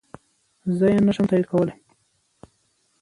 زه يي نشم تاييد کولی